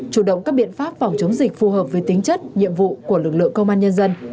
chủ động các biện pháp phòng chống dịch phù hợp với tính chất nhiệm vụ của lực lượng công an nhân dân